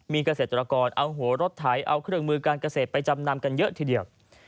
มีเกษตรกรเอาหัวรถไถเอาเครื่องมือการเกษตรไปจำนำกันเยอะทีเดียว